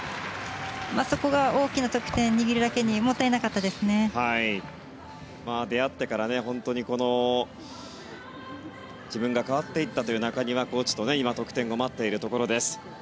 そこが大きな得点を握るだけに出会ってから自分が変わっていったという中庭コーチと今、得点を待っているところです。